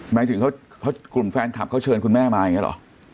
หมายถึงกลุ่มแฟนคลับเขาเชิญคุณแม่มาอย่างนี้หรอ